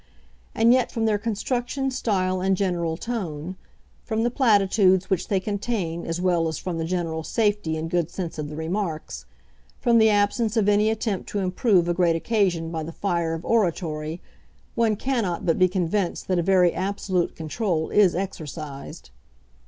And yet, from their construction, style, and general tone, from the platitudes which they contain as well as from the general safety and good sense of the remarks, from the absence of any attempt to improve a great occasion by the fire of oratory, one cannot but be convinced that a very absolute control is exercised.